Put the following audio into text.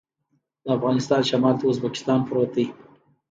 د افغانستان شمال ته ازبکستان پروت دی